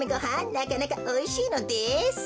なかなかおいしいのです。